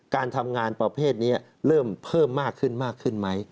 การทำงานประเภทนี้เริ่มเพิ่มมากขึ้นมากขึ้นไหม